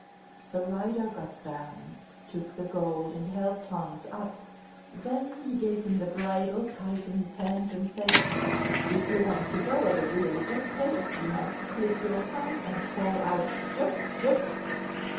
The rider got down, took the gold, and helped Hans up; then gave him the bridle tight in his hands and said, "If you want to go at a really good pace, you must click your tongue and call out, "Jup! Jup!"